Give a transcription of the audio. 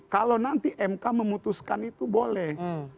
kalau nanti mk memutuskan itu boleh